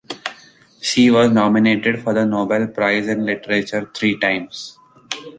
She was nominated for the Nobel Prize in Literature three times.